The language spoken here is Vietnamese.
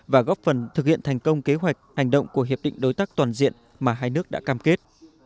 và góp phần thực hiện thành công kế hoạch hành động của hiệp định đối tác toàn diện mà hai nước đã cam kết